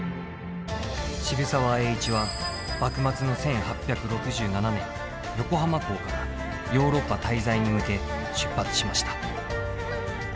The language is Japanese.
渋沢栄一は幕末の１８６７年横浜港からヨーロッパ滞在に向け出発しました。